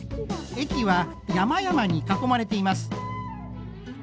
駅は山々に囲まれています。